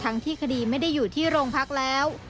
ที่คดีไม่ได้อยู่ที่โรงพักแล้ว